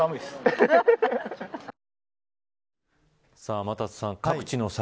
天達さん、各地の桜